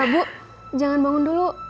bu jangan bangun dulu